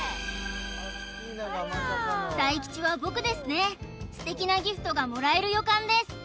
大吉は僕ですね素敵なギフトがもらえる予感です